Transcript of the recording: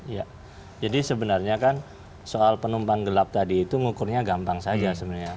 ya jadi sebenarnya kan soal penumpang gelap tadi itu ngukurnya gampang saja sebenarnya